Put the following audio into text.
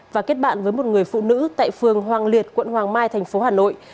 và kết bạn với một người phụ nữ tại phường hoàng liệt quận hoàng mai tp hcm